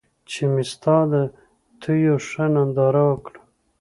چې مې ستا د تېو ښه ننداره وکــړه